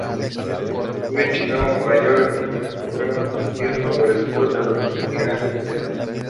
Louis, Chicago, Nueva York y Baltimore fueron destinos favorecidos de los inmigrantes alemanes.